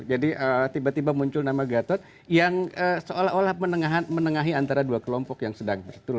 tiba tiba muncul nama gatot yang seolah olah menengahi antara dua kelompok yang sedang berturut